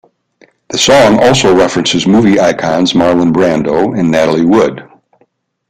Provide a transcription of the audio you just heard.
The song also references movie icons Marlon Brando and Natalie Wood.